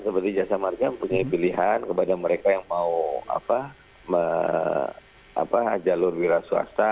seperti jasa marga mempunyai pilihan kepada mereka yang mau jalur wira swasta